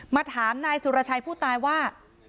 ถามนายสุรชัยผู้ตายว่า